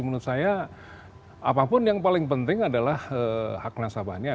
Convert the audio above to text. menurut saya apapun yang paling penting adalah hak nasabahnya